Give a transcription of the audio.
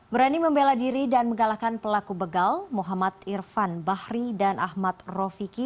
berani membela diri dan mengalahkan pelaku begal muhammad irfan bahri dan ahmad rofiki